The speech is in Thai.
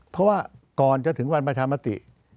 เพราะว่าก่อนจะถึงวันประชามติ